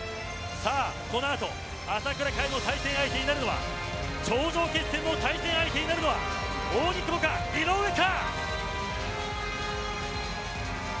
このあと朝倉海の対戦相手になるのは頂上決戦の対戦相手になるのは扇久保か、井上か。